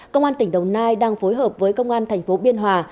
công an tỉnh đồng nai đang phối hợp với công an thành phố biên hòa